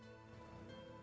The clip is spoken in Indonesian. suara benar bulding